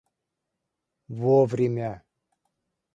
вовремя